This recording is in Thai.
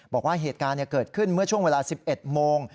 บอกว่าเหตุการณ์เกิดขึ้นเมื่อช่วงเวลา๑๑โมง